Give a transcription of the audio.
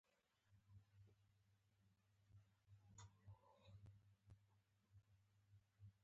په ژمي کې واده کول ضروري دي